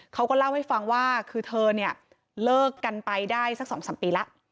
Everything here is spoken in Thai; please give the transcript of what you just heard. เขาก็เล่าให้ฟังว่าคือเธอเนี่ยเลิกกันไปได้สัก๒๓ปีแล้ว